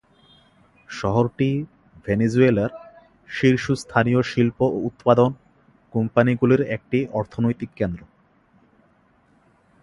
শহরটি ভেনিজুয়েলার শীর্ষস্থানীয় শিল্প ও উৎপাদন কোম্পানিগুলির একটি অর্থনৈতিক কেন্দ্র।